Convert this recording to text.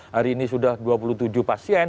hari ini sudah dua puluh tujuh pasien